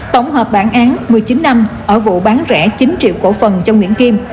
tổng hợp bản án một mươi chín năm ở vụ bán rẻ chín triệu cổ phần cho nguyễn kim